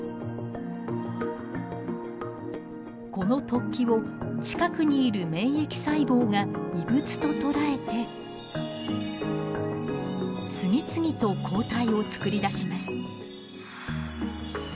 この突起を近くにいる免疫細胞が異物ととらえて次々と抗体を作り出します。